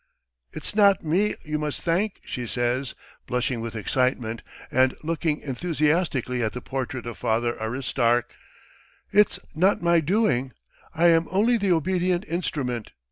"It's not me you must thank," she says, blushing with excitement and looking enthusiastically at the portrait of Father Aristark. "It's not my doing. ... I am only the obedient instrument